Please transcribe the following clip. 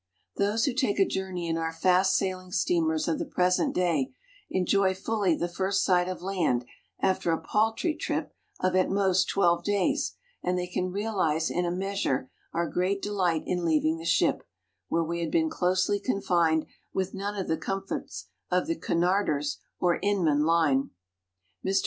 Those who take a journey in our fast sailing steamers of the present day, enjoy fully the first sight of land after a paltry trip of at most twelve days, and they can realize in a measure our great delight in leaving the ship, where we had been closely confined with none of the comforts of the Cunarders or Inman line. Mr.